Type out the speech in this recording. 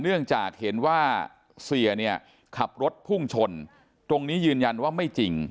เนื่องจากเห็นว่าเสียเนี่ยขับรถพุ่งชนตรงนี้ยืนยันว่าไม่จริง